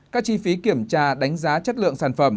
các chi phí kiểm tra đánh giá chất lượng sản phẩm